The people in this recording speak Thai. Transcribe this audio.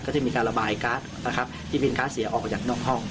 ก็จะมีการระบายการ์ดนะครับที่เป็นก๊าซเสียออกมาจากนอกห้อง